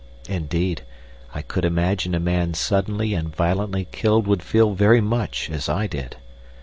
Indeed, I could imagine a man suddenly and violently killed would feel very much as I did.